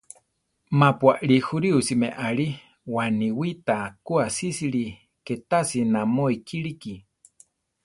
Ma-pu aʼlí juríosi meʼali, waniwíta ku asísili, ké tási namó ikíliki.